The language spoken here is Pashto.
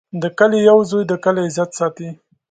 د کلي یو زوی د کلي عزت ساتي.